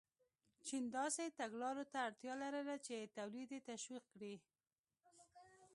چین داسې تګلارو ته اړتیا لرله چې تولید یې تشویق کړي.